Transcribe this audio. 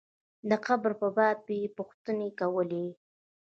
د قبر په باب یې پوښتنې کولې.